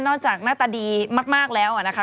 จากหน้าตาดีมากแล้วนะคะ